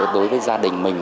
đối với gia đình mình